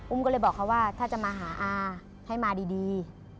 ก็เลยบอกเขาว่าถ้าจะมาหาอาให้มาดี